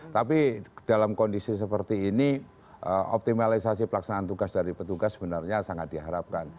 tapi dalam kondisi seperti ini optimalisasi pelaksanaan tugas dari petugas sebenarnya sangat diharapkan